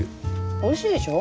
おいしいでしょ？